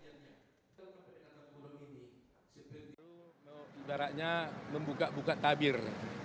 sebelum ini segera mau ibaratnya membuka buka tabir